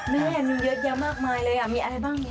แม่มีเยอะแยะมากมายเลยมีอะไรบ้าง